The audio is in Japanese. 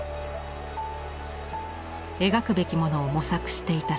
描くべきものを模索していた３０代。